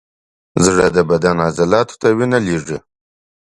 زړه د بدن عضلاتو ته وینه لیږي.